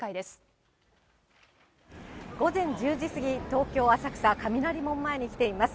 午前１０時過ぎ、東京・浅草雷門前に来ています。